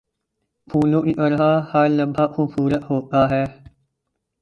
پھولوں کی طرح ہر لمحہ خوبصورت ہوتا ہے۔